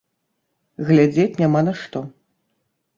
Глядзець няма на што.